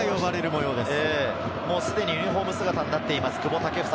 もうすでにユニホーム姿になっています。